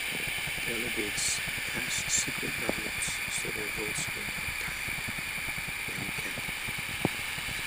Delegates cast secret ballots, so their votes were not "tied" to any candidate.